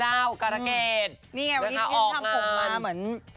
นี่วันนี้มันทำผมมาเหมือน